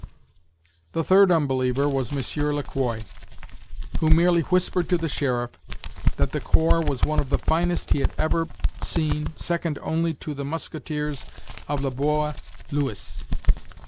The third unbeliever was Monsieur Le Quoi, who merely whispered to the sheriff, that the corps was one of the finest he had ever seen second only to the Mousquetaires of Le Boa Louis!